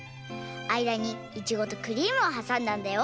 あいだにイチゴとクリームをはさんだんだよ。